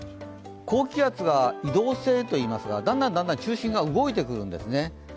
高気圧が移動性といいますが、だんだん中心が動いていくんですね。